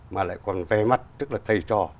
mà lại còn về mặt tức là thầy trò